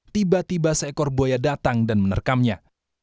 tiba tiba seekor buaya datang dan menerkamnya